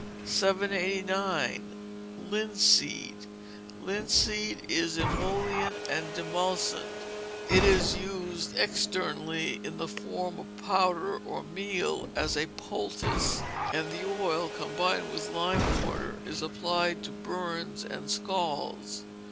789. Linseed Linseed is emollient and demulcent. It is used externally, in the form of powder or "meal," as a poultice; and the oil, combined with lime water, is applied to burns and scalds.